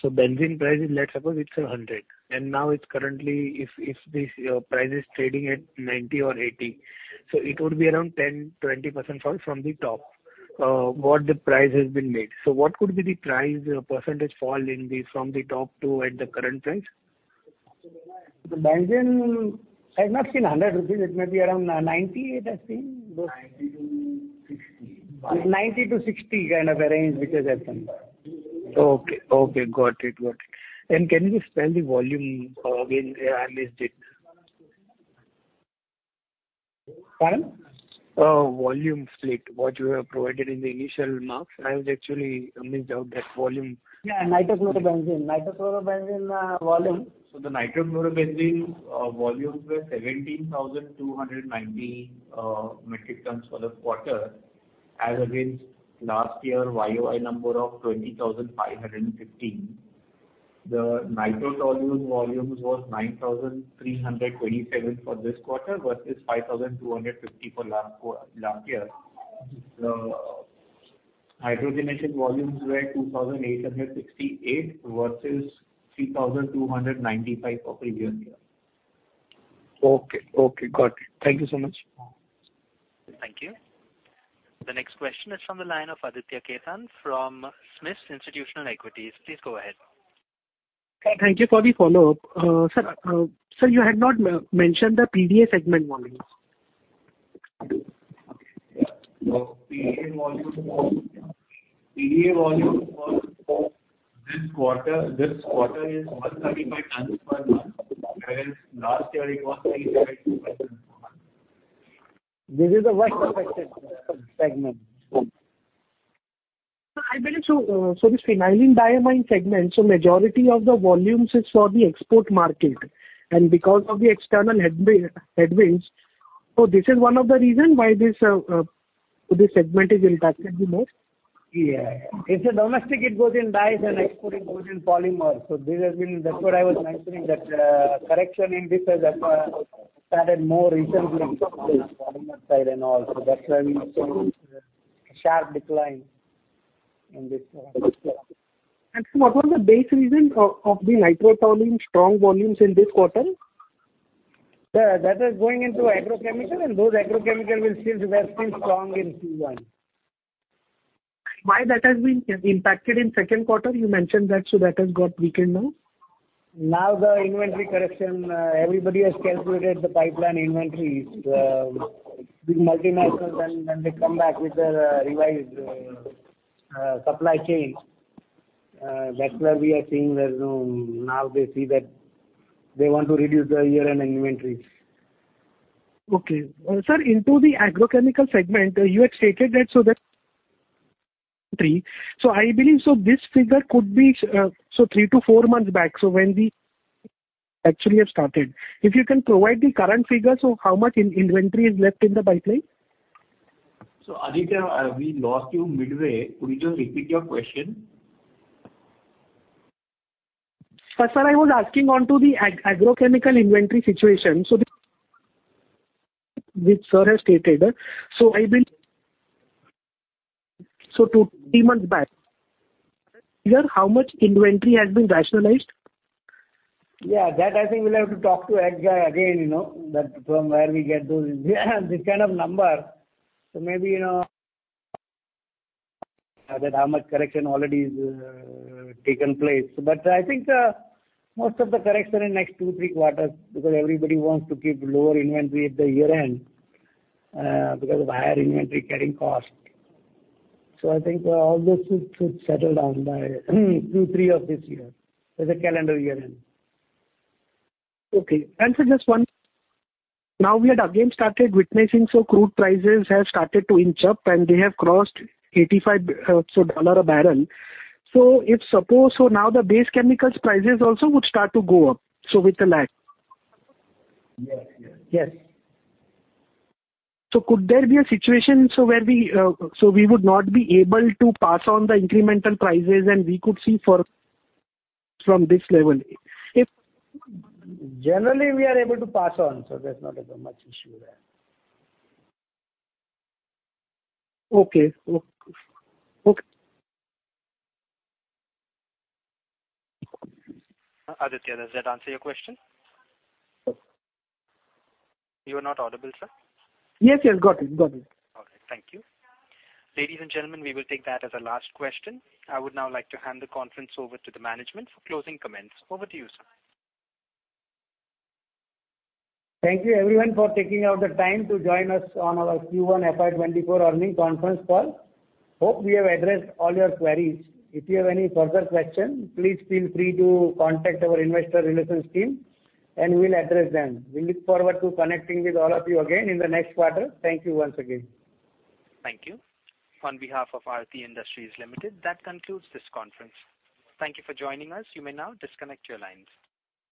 so benzene price is, let's suppose it's 100, and now it's currently, if, if this price is trading at 90 or 80, so it would be around 10-20% fall from the top, what the price has been made. What could be the price or percentage fall in the, from the top to at the current price? The benzene has not been 100 rupees. It may be around 90, it has been? 90 to 60. 90-60 kind of range, which has happened. Okay, okay. Got it. Got it. Can you just tell the volume again, I missed it. Pardon? Volume split, what you have provided in the initial marks. I was actually, I missed out that volume. Yeah, Nitrochlorobenzene. Nitrochlorobenzene, volume. The nitrochlorobenzene volumes were 17,290 metric tons for the quarter, as against last year YOY number of 20,515. The nitrotoluene volumes was 9,327 for this quarter, versus 5,250 for last year. The hydrogenated volumes were 2,868 versus 3,295 for previous year. Okay, okay. Got it. Thank you so much. Thank you. The next question is from the line of Aditya Khetan from SMIFS Institutional Equities. Please go ahead. Sir, thank you for the follow-up. Sir, Sir, you had not mentioned the PDA segment volumes. Okay. Yeah. PDA volume for, PDA volume for, for this quarter, this quarter is 135 tons per month, whereas last year it was 302 tons per month. This is a work affected segment. I believe so, so the Phenylenediamine segment, so majority of the volumes is for the export market, and because of the external headwinds, so this is one of the reason why this, this segment is impacted the most? Yeah. If the domestic, it goes in dyes and export, it goes in polymers. This has been. That's what I was mentioning, that correction in this has started more recently on the polymer side and all. That's why we see a sharp decline in this. What was the base reason of, of the Nitrotoluene strong volumes in this quarter? That is going into agrochemical, and those agrochemical will still be, are still strong in Q1. Why that has been impacted in second quarter? You mentioned that. That has got weakened now. The inventory correction, everybody has calculated the pipeline inventories. The multinationals, when, when they come back with their revised supply chain, that's where we are seeing there's, now they see that they want to reduce the year-end inventories. Okay, sir, into the agrochemical segment, you had stated that. I believe this figure could be three to four months back, when we actually have started. If you can provide the current figure, how much inventory is left in the pipeline? Aditya, we lost you midway. Could you just repeat your question? sir, I was asking on to the agrochemical inventory situation. Which sir has stated, so I believe, so two, three months back, here, how much inventory has been rationalized? Yeah, that I think we'll have to talk to ag guy again, you know, that from where we get those, this kind of number. Maybe, you know, that how much correction already is taken place. I think most of the correction in next two, three quarters, because everybody wants to keep lower inventory at the year-end, because of higher inventory carrying cost. I think all this should, should settle down by Q3 of this year, as a calendar year-end. Okay. So just one... Now, we had again started witnessing, so crude prices have started to inch up, and they have crossed 85, so dollar a barrel. If suppose, now the base chemicals prices also would start to go up, so with the lag? Yes, yes. Yes. Could there be a situation, so we would not be able to pass on the incremental prices, and we could see for from this level? If- Generally, we are able to pass on, so there's not as much issue there. Okay. Okay. Aditya, does that answer your question? Okay. You are not audible, sir. Yes, yes. Got it. Got it. Okay. Thank you. Ladies and gentlemen, we will take that as our last question. I would now like to hand the conference over to the management for closing comments. Over to you, sir. Thank you everyone for taking out the time to join us on our Q1 FY 2024 earning conference call. Hope we have addressed all your queries. If you have any further question, please feel free to contact our Investor Relations team, and we'll address them. We look forward to connecting with all of you again in the next quarter. Thank you once again. Thank you. On behalf of Aarti Industries Limited, that concludes this conference. Thank you for joining us. You may now disconnect your lines.